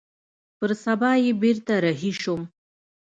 پر سبا يې بېرته رهي سوم.